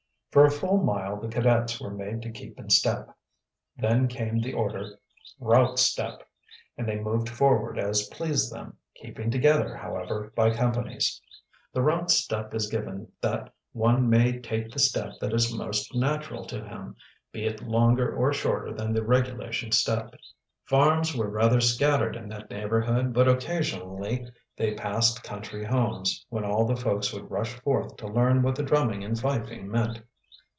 For a full mile the cadets were made to keep in step. Then came the order, "Route step!" and they moved forward as pleased them, keeping together, however, by companies. The route step is given that one may take the step that is most natural to him, be it longer or shorter than the regulation step. Farms were rather scattered in that neighborhood, but occasionally they passed country homes, when all the folks would rush forth to learn what the drumming and fifing meant.